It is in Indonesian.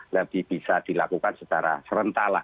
lebih bisa dilakukan secara serentak lah